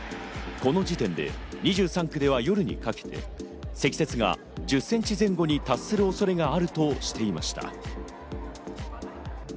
この時点で２３区では夜にかけて積雪が１０ｃｍ前後に達する恐れがあるとしていました。